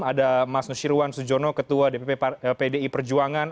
ada mas nusyirwan sujono ketua dpp pdi perjuangan